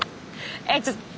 えちょっと。